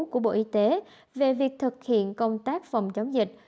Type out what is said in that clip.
của bộ y tế về việc thực hiện công tác phòng chống dịch